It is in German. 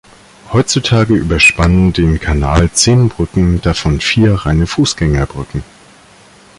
Heutzutage überspannen den Kanal zehn Brücken, davon vier reine Fußgängerbrücken.